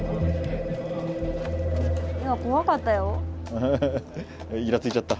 アハハイラついちゃった。